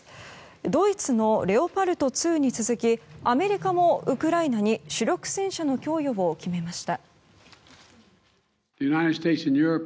ドイツのレオパルト２に続きアメリカもウクライナに主力戦車の供与を決めました。